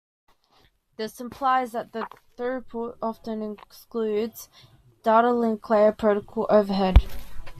This implies that the throughput often excludes data link layer protocol overhead.